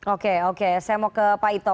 oke oke saya mau ke pak ito